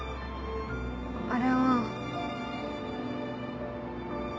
あれは。